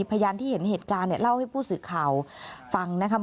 พยานที่เห็นเหตุการณ์เนี่ยเล่าให้ผู้สื่อข่าวฟังนะคะ